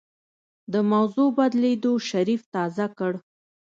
د موضوع بدلېدو شريف تازه کړ.